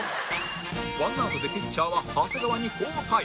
ワンアウトでピッチャーは長谷川に交代